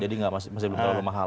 masih belum terlalu mahal